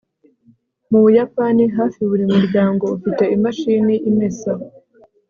mu buyapani, hafi buri muryango ufite imashini imesa